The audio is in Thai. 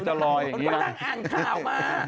อ่านข่าวมา